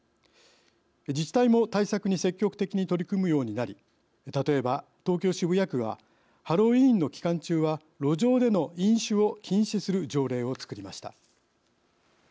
自治体も対策に積極的に取り組むようになり例えば、東京・渋谷区はハロウィーンの期間中は路上での飲酒を禁止する条例を作りました。